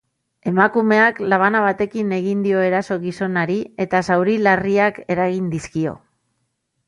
Emakumeak labana batekin egin dio eraso gizonari, eta zauri larriak eragin dizkio.